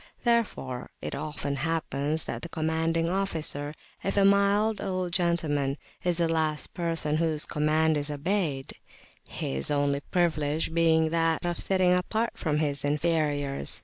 Therefore it often happens that the commanding officer, [p.213] if a mild old gentleman, is the last person whose command is obeyed, his only privilege being that of sitting apart from his inferiors.